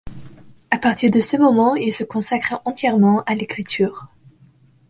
À partir de ce moment, il se consacre entièrement à l’écriture.